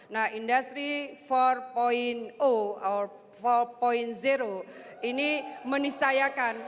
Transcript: nah industri empat ini menisayakan